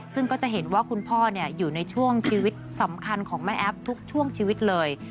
ซึ่งก็จะเห็นว่าคุณพ่ออยู่ในช่วงชีวิตสำคัญของแม่แอ๊บทุกช่วงชีวิตเลย